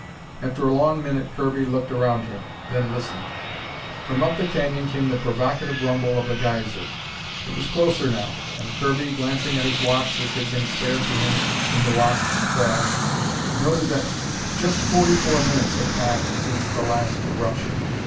After a long minute Kirby looked around him, then listened. From up the canyon came the provocative rumble of the geyser. It was closer now, and Kirby, glancing at his watch which had been spared to him in the Wasp's crash, noted that just forty four minutes had passed since the last eruption.